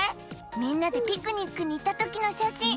みんなでピクニックにいったときのしゃしん。